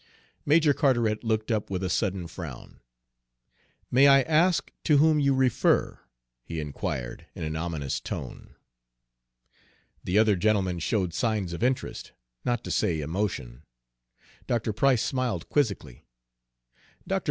Major Carteret looked up with a sudden frown. "May I ask to whom you refer?" he inquired, in an ominous tone. The other gentlemen showed signs of interest, not to say emotion. Dr. Price smiled quizzically. "Dr.